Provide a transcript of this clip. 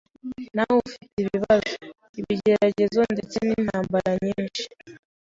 nawe ufite ibibazo, ibigeragezo ndetse n’intambara nyinshi